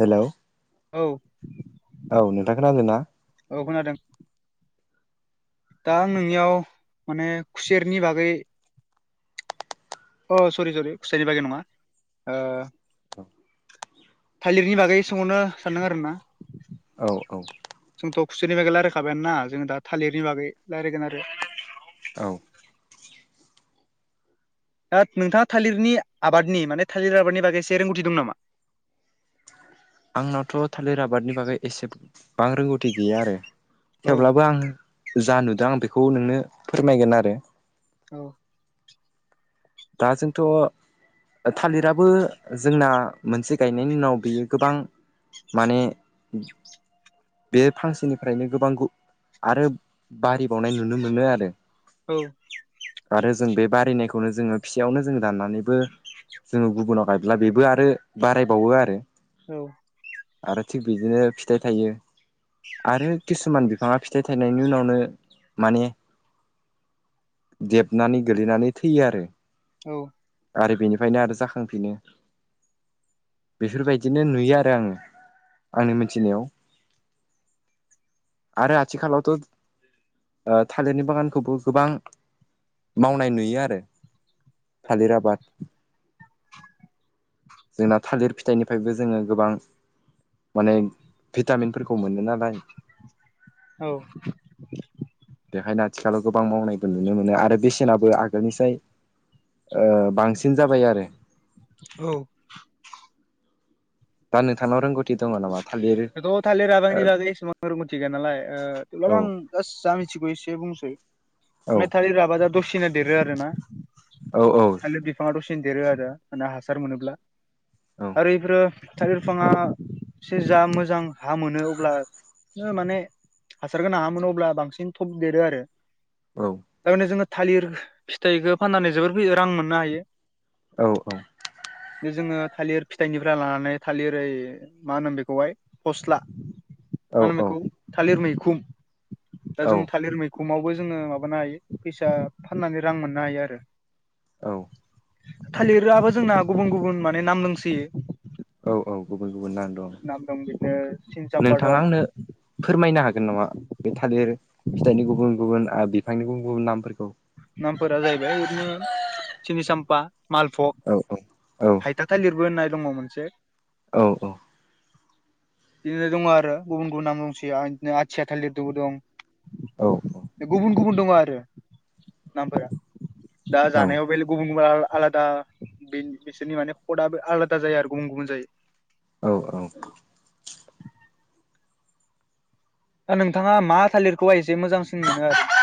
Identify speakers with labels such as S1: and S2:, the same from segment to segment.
S1: Hello
S2: औ
S1: औ नोंथां खोनादोंना
S2: औ खोनादों दा आं नोंनियाव माने खुसेरनि बागै अ सरि सरि खुसाइनि बागै नंङा थालिरनि बागै सोंहरनो सानदों आरो ना
S1: औ औ
S2: जोंथ' खुसेनि बागै रायज्लायखाबाय ना जोंङो दा थालिरनि बागै रायज्लायगोन आरो
S1: औ
S2: दा नोंथांङा थालिरनि आबादनि माने थालिर आबादनि बागै एसे रोंगौथि दं नामा
S1: आंनावथ' थालिर आबादनि बागै एसेबां रोंगौथि गैया आरो
S2: औ
S1: थेवब्लाबो आं जा नुदों आं बेखौ नोंनो फोरमायगोन आरो
S2: औ
S1: दा जोंथ' थालिराबो जोंना मोनसे गायनायनि उनाव बियो गोबां माने बे फांसेनिफ्रायनो गोबां आरो बारि बावनाय नुनो मोनो आरो
S2: औ
S1: आरो जों बे बारायनायखौनो जोंङो फिसयावनो जों दाननानैबो जोंङो गुबुनाव गायब्ला बेबो आरो बारायबावो आरो
S2: औ
S1: आरो थिग बिदिनो फिथाइ थायो आरो किसुमान बिफाङा फिथाइ थायनायनि उनावनो माने देबनानै गोलैनानै थैयो आरो
S2: औ
S1: आरो बेनिफ्रायनो आरो जाखांफिनो बेफोरबायदिनो नुयो आरो आङो आंनि मिथिनायाव आरो आथिखालावथ' थालिरनि बागानखौबो गोबां मावनाय नुयो आरो। हाजिराबाद जोंना थालिर फिथाइनिफ्रायबो जोङो गोबां माने भिटामिनफोरखौ मोनो नालाय
S2: औ
S1: बेहायनो आथिखालाव गोबां मावनायबो नुनो मोनो आरो बेसेनाबो आगोलनिफ्रायाय। बांसिन जाबाय आरो।
S2: औ।
S1: गाननो थाना रोंगौ
S2: थ थालिर राबांनि लाागैसेबां रगथिगाया
S1: औ
S2: नालायबां। आ ज मिथिगौ एसे बुंसै
S1: औ
S2: माने थालिर रभा दा दसेना देरो आरो ना।
S1: औ औ।
S2: आलि बिफाङाथ' सिनदेरो आरो मान हासार मोनोब्ला
S1: औ
S2: आरो बेफोरो थागिर बिफाङा एसे जा मोजां हा मोनो अब्ला माने हासारखौ नाङामोन अब्ला बांसिन थब देरो आरो।
S1: औ।
S2: थारमाननो जोङो थालिर फिथाइखो फाननानै जोबोर रां मोननो हायो
S1: औ औ।
S2: जोङो थालिर फिथाइनिफ्राय लानानै थालिर ओइ मा होनोम बेखौहाय फस्ला मा होनो बेखौ थालिर मैखुम
S1: औ
S2: दा जों थालिर मैखोमावबो जोङो माबानो हायो फैसा फाननानै रां मोननो हायो आरो
S1: औ
S2: थालिरआबो जोंना गुबुन गुबुन माने नाम लोंसैयो
S1: औ औ गुबुन गुबुन नाम दं।
S2: नाम दं बिदिनो सिनजाफा
S1: नोंथाङा
S2: दं।
S1: आंनो फोरमायनो हागोन नामा बे थालिर फिथाइनि गुबुन गुबुन बिफांनि गुबुन गुबुन नामफोरखौ
S2: नामफोरा जाहैबाय ओरैनो सिनिसाम्फा मालफग
S1: औ औ औ।
S2: हायथाथाय लिरबो होननाय दङ मोनसे।
S1: औ औ।
S2: [inaudible] बिदिनो दङ आरो गुबुन गुबुन नाम दंसै बिदिनो आथिया थालिरदोंबो दं।
S1: औ औ।
S2: गुबुन गुबुन दङ आरो नामफोरा दा
S1: औ
S2: जानायाव बे गुबुन गुबुन आलादा बिसोरनि माने कदआो आलादा जायो आरो गुबुन गुबुन जायो।
S1: औ औ।
S2: दा नोंथाङा मा थालिरखौबा एसे मोजांसिन मोनो आरो ना।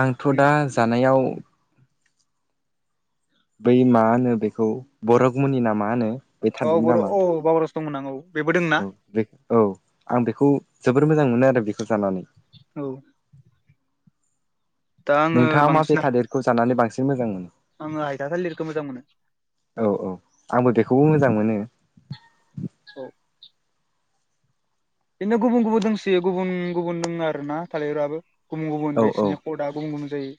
S1: आंथ' दा जानायाव बै मा होनो बेखौ बर'गुमनि ना मा होनो? बे
S2: औ
S1: थालिरनि
S2: बर'
S1: नामा
S2: औ बाबारस दंमोन आं औ बेबो
S1: औ
S2: दंना।
S1: बे औ आं बेखौ जोबोर मोजां मोनो आरो बेखौ जानानै
S2: औ दा आङो
S1: नोंथाङा मा बे
S2: बांसिन
S1: थादेरखौ जानानै बांसिन मोजां मोनो।
S2: आङो हायथा थालिरखौ मोजां मोनो
S1: औ औ आंबो बेखौबो मोजां मोनो।
S2: औ। बिदिनो गुबुन गुबुन दंस गुबुन गुबुन दङ आरो ना थालिरफोराबो गुबुन
S1: औ
S2: गुबुन
S1: औ
S2: बिसिरनि कर्डआ गुबुन गुबुन जायो।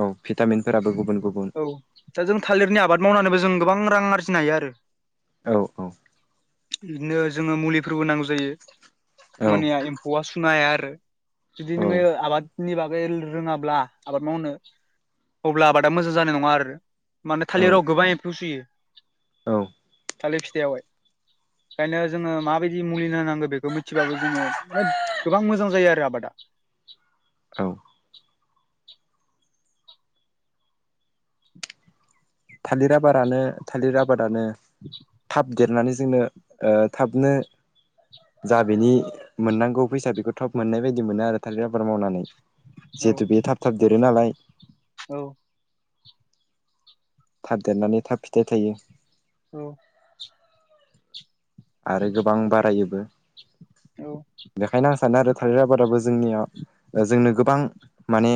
S1: औ भिटामिनफोराबो गुबुन गुबुन
S2: औ दा जों थालिरनि आबाद मावनानैबो जों गोबां रां आरजिनो हायो आरो।
S1: औ औ।
S2: बिदिनो जोङो मुलिफोरबो नांगौ जायो
S1: औ
S2: मानिया एम्फौआ सुनो हाया आरो। जुदि
S1: औ
S2: नङो आबाद नि बागै रोङाब्ला आबाद मावनो अब्ला आबादा मोजां जानाय नङा आरो। माने थालिराव
S1: औ
S2: गोबां एमफु सुयो‌।
S1: औ
S2: थालिर फिथाइयावहाय ओंखायनो जोङो मा माबायदि मुलि होनांगौ बेखौ मिथिबाबो जोङो माने गोबां मोजां जायो आरो आबादा
S1: औ। थालिर आबादानो थालिर आबादानो
S2: बि
S1: थाब देरनानै जोंनो थाबनो जा बेनि मोननांगौ फैसा बेखौ थब मोननाय बायदि मोनो आरो थालिर आबाद मावनानै
S2: औ
S1: जिहेथु बे थाब थाब देरो नालाय
S2: औ।
S1: थाब देरनानै थाब फिथाइ थायो।
S2: औ।
S1: आरो गोबां बारायोबो
S2: औ
S1: बेखायनो आं सानो आरो थालिर आबादाबो जोंनियाव जोंनो गोबां माने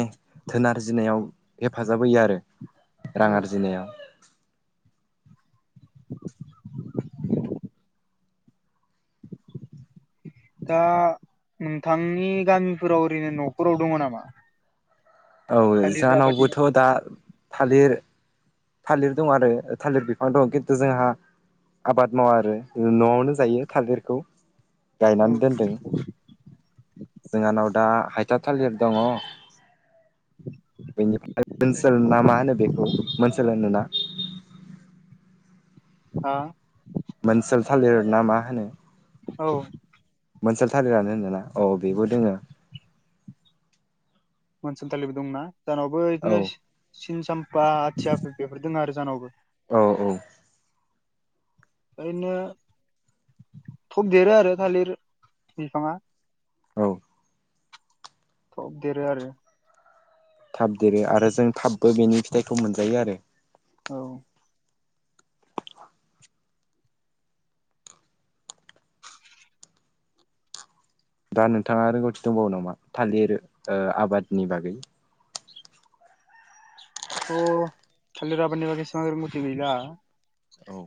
S1: थोन आरजिनायाव हेफाजाब होयो आरो। रां
S2: औ
S1: आरजिनायाव
S2: दा नोंथांनि गामिफोराव ओरैनो न'खराव दङ नामा?
S1: औ
S2: थालिर आबादनि
S1: जोंनावबोथ' दा थालिर थालिर दं आरो थालिर बिफां दं खिन्थु जोंहा आबाद मावा आरो न'आवनो जायो थालिरखौ
S2: औ
S1: गायनानै दोनदों। जोंहानाव दा हाइथा थालिर दङ। बेनिफ्राय ओनसोल ना मा होनो बेखौ ओसोल होनो।
S2: [inaudible]
S1: मोनओसोल थालिर ना मा होनो।
S2: औ।
S1: मोनसल थारिरानो होनदोंना औ बेबो दोङो
S2: मोनसोलथालिबो दंनाा जोंनावबो
S1: औ
S2: बिदिनो सिन साम्फा आथिया बेफोर दङ आरो जोंनावबो
S1: औ औ।
S2: ओरैनो थब देरो आरो थालिर बिफाङा
S1: औ।
S2: थब देरो आरो।
S1: थाब देरो आरो जों थाबबो बेनि फिथाइखौ मोनजायो आरो
S2: औ।
S1: दा नोंथाङा रोंगौथि दंबावो नामा थालिर आबादनि बागै
S2: थालिरा माने मथि गैला
S1: औ।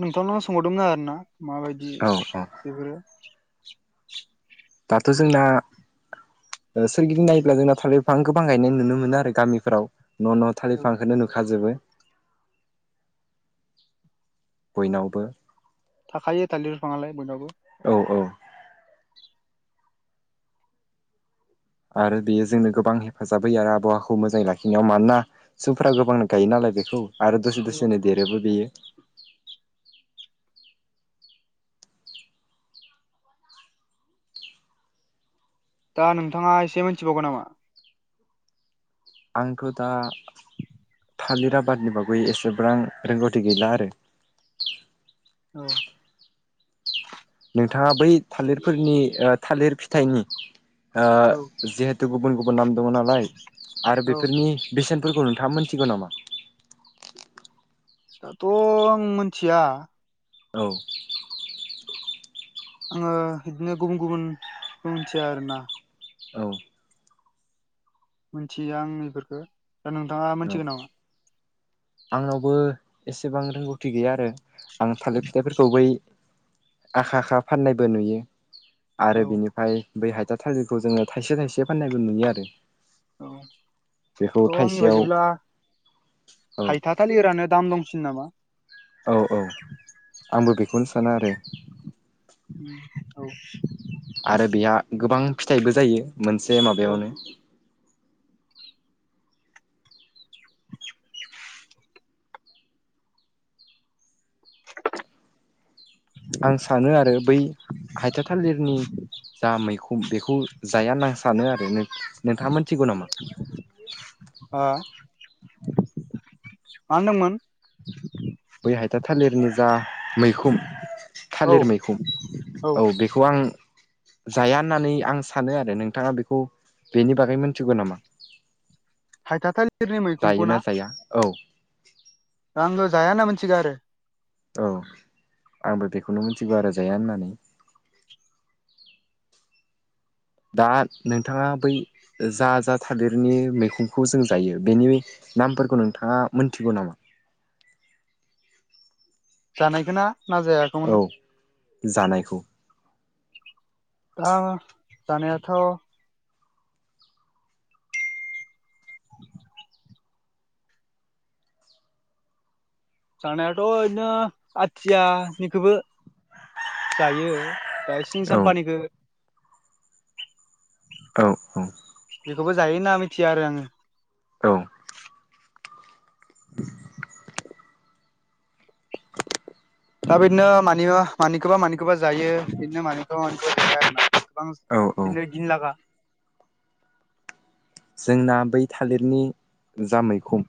S2: नोंथांनावनो सोंहरदोंमोन आरोना माबायदि
S1: औ औ
S2: बेफोरो
S1: दाथ' जोंना सोरगिदिं नायोब्ला जोंना थाल बिफां गोबां गायनाय नुनो मोनो आरो गामिफोराव न' न' थालिर
S2: औ
S1: फांखौनो नुखाजोबो बयनावबो
S2: थाखायो थालिर बिफाङालाय बयनावबो
S1: औ औ आरो बेयो जोंनो गोबां हेफाजाब होयो आरो आबहावाखौ मोजाङै लाखिनायाव मानोना समफोरा गोबांनो गायो नालाय बेखौ आरो दसे
S2: औ
S1: दसेनो देरोबो बेयो
S2: दा नोंथाङा एसे मिथिबावगोन नामा
S1: आंथ' दा थालिर आबादनि बागै एसेबां रोंगौथि गैला आरो
S2: औ
S1: नोंथाङा बै थालिरफोरनि थालिर फिथाइनि
S2: औ
S1: जिहेथु गुबुन गुबुन नाम दङ नालाय आरो
S2: औ
S1: बेफोरनि बेसेनफोरखौ नोंथाङा मोनथिगौ नामा
S2: दाथ' आं मिथिया
S1: औ
S2: आङो बिदिनो गुबुन गुबुनखौ मिथिया आरो ना
S1: औ
S2: मिथियो आं बेफोरखौ दा नोंथाङा
S1: औ
S2: मोनथिगोन नामा
S1: आंनावबो एसेबां रोंगौथि गैया आरो आं थालिर फिथाइफोरखौ बै आखा आखा फाननायबो नुयो
S2: औ
S1: आरो बिनि बै हायथार थालिरखौ जोङो थाइसे थाइसे फाननायबो नुयो आरो
S2: औ
S1: बेखौ
S2: थ' आंनि
S1: थाइसेयाव
S2: बायदिब्ला
S1: औ
S2: हायथा थाालिरफोरानो दाम बांसिन नामा
S1: औ औ आंबो बेखौनो सानो आरो
S2: औ
S1: आरो बेहा गोबां फिथाइबो जायो मोनसे
S2: औ
S1: माबायावनो
S2: [inaudible]
S1: आं सानो आरो बै हाइथा थालिरनि जा मैखोन बेखौ जाया होनना आं सानो आरो नोंथाङा मोनथिगौ नामा
S2: हो मा होनदोंमोन
S1: बै हायथा थालिरनि जा मैखोम
S2: औ
S1: थालिर मैखोन औ बेखौ आं जाया होननानै आं सानो आरो नोंथाङा बेखौ बेनि बागै मोनथिगौ नामा
S2: हायथा थालिरनि मैखुनखौ
S1: जायोना जाया औ
S2: दा आं' जाया होनना मोनथिगौ आरो
S1: औ आंबो बेखौनो मिथिगौ आरो जाया होननानै दा नोंथाङा बै जा जा थादिरनि मैगंखौ जों जायो बेनि नामफोरखौ नोंथाङा मोनथिगौ नामा
S2: जानायखौ ना जायाखो
S1: औ जानायखौ
S2: दा जानायाथ' [inaudible] जानायाथ' दिनो आथियानिखौबो जायो दा सिनि
S1: औ
S2: साम्पानिखौ
S1: औ औ
S2: बेखौबो जायो ना मिथिया आरो आङो
S1: औ
S2: दा बिदिनो मानि मानिखौबा मानिखौबा जायो बिदिनो मानिखौबा मानिखौबा
S1: औ औ
S2: बिदिनो लागा
S1: जोंना बै थालिरनि जा मैखोन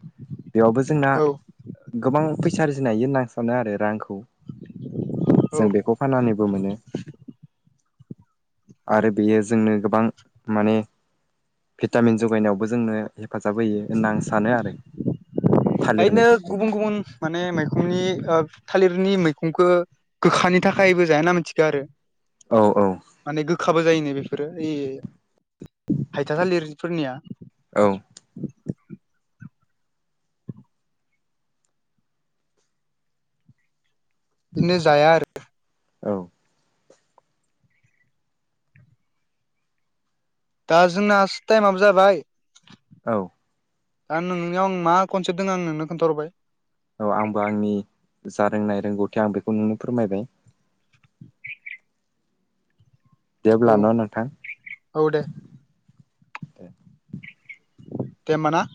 S1: बेयावबो जोंना
S2: औ
S1: गोबां फैसा आरजिनो हायो होननानै सानो आरो रांखौ
S2: औ
S1: जों बेखौ फानानैबो मोनो आरो बेयो जोंनो गोबां माने भिटामिन जगायनायावबो जोंनो हेफाजाब होयो होनना आं सानो आरो थालिर
S2: यैनो
S1: मैगंखौ
S2: गुबुन गुबुन माने मैखंनि थालिरनि मैखंखौ गोखानि थाखायबो जाया होनना मिथिगौ आरो
S1: औ औ
S2: माने गोखाबो जायोनो बेफोरो इ हायथसालिरफोरनिया
S1: औ
S2: बिदिनो जाया आरो
S1: औ
S2: दा जोंना टाइमाबो जाबाय
S1: औ
S2: दा नोंनियाव आं मा कनसेपट दङ आं नोंनो खोनथाहरबाय
S1: औ आंबो आंनि जा रोंनाय रोंगौथि आं बेखौ नोंनो फोरमायबाय
S2: औ
S1: जेब्ला न' नोंथां
S2: औ दे देहोमबा ना